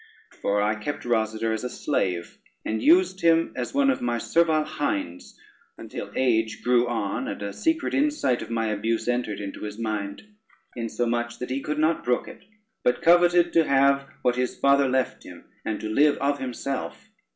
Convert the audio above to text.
For I kept Rosader as a slave, and used him as one of my servile hinds, until age grew on, and a secret insight of my abuse entered into his mind; insomuch, that he could not brook it, but coveted to have what his father left him, and to live of himself.